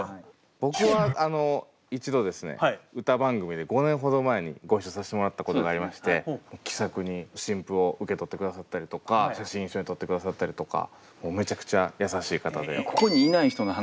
僕は一度ですね歌番組で５年ほど前にご一緒させてもらったことがありまして気さくに新譜を受け取ってくださったりとか写真一緒に撮ってくださったりとかめちゃくちゃ優しい方で。